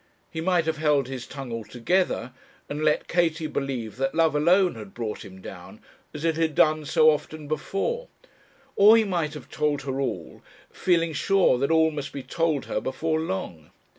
He might have held his tongue altogether, and let Katie believe that love alone had brought him down, as it had done so often before; or he might have told her all, feeling sure that all must be told her before long.